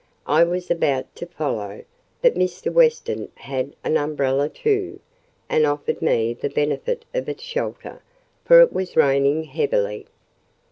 I was about to follow; but Mr. Weston had an umbrella too, and offered me the benefit of its shelter, for it was raining heavily.